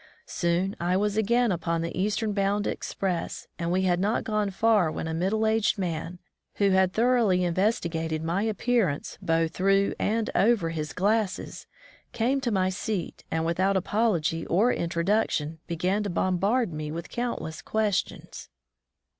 Soon I was again upon the eastern bound express, and we had not gone far when a middle aged man who had thoroughly in vestigated my appearance both through and over his glasses, came to my seat and with out apology or introduction began to bom bard me with countless questions.